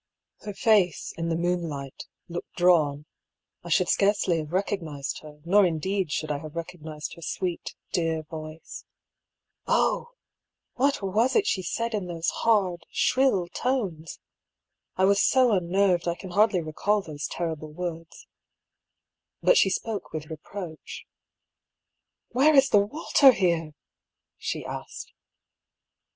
Her face, in the moonlight, looked drawn — I should scarcely have recognised her, nor indeed should I have recognised her sweet, dear voice. Oh ! what was it she said, in those hard, shrill tones ? I was so unnerved, I can hardly recall those terrible words. But she spoke with reproach. " Where is the water here ?" she asked.